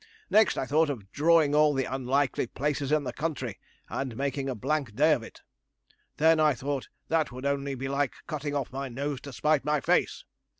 Next I thought of drawing all the unlikely places in the country, and making a blank day of it. Then I thought that would only be like cutting off my nose to spite my face.